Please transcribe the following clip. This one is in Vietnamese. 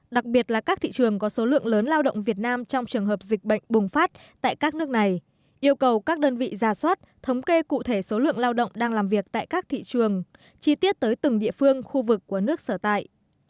đặc biệt là các thị trường có số lượng lớn lao động việt nam trong trường hợp dịch bệnh bùng phát tại các nước này yêu cầu các đơn vị ra soát thống kê cụ thể số lượng lao động đang làm việc tại các thị trường chi tiết tới từng địa phương khu vực của nước sở tại